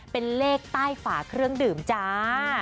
เป็นเลขใต้ฝาเครื่องดื่มจ้า